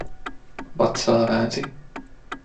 Vatsaa väänsi.